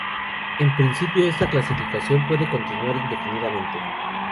En principio esta clasificación puede continuar indefinidamente.